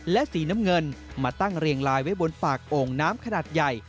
และสีน้ำเงินมาตั้งเรียงลายไว้บนฝากโอ่งน้ำขนาดใหญ่